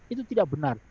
itu tidak benar